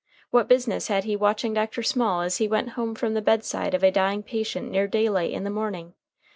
What business had he watching Dr. Small as he went home from the bedside of a dying patient near daylight in the morning?